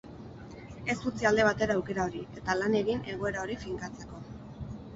Ez utzi alde batera aukera hori, eta lan egin egoera hori finkatzeko.